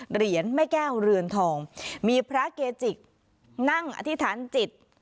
เหรียญแม่แก้วเรือนทองมีพระเกจิกนั่งอธิษฐานจิต